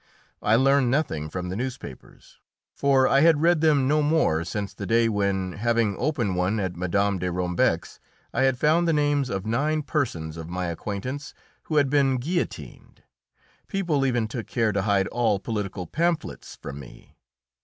I learned nothing from the newspapers, for I had read them no more since the day when, having opened one at Mme. de Rombec's, I had found the names of nine persons of my acquaintance who had been guillotined. People even took care to hide all political pamphlets from me.